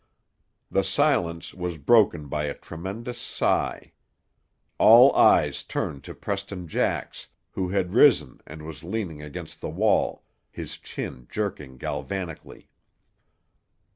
The silence was broken by a tremendous sigh. All eyes turned to Preston Jax, who had risen and was leaning against the wall, his chin jerking galvanically.